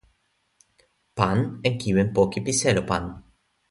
pan en kiwen poki pi selo pan